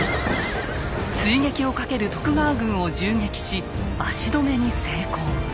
追撃をかける徳川軍を銃撃し足止めに成功。